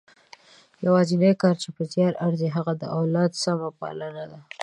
یوازنۍ کار چې په زیار ارزي هغه د اولاد سمه پالنه ده.